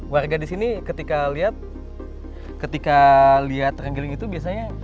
warga di sini ketika lihat ketika lihat renggiling itu biasanya